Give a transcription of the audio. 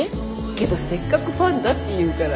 けどせっかくファンだって言うから。